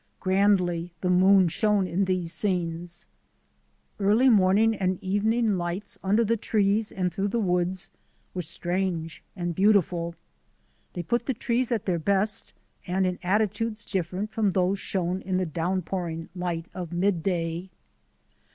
Grandly the moon shone in these scenes. Early morning and evening lights under the trees and through the woods were strange and beautiful. They put the trees at their best and in attitudes different from those shown in the down pouring light of midday.